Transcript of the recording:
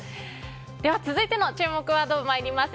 続いての注目ワード参ります。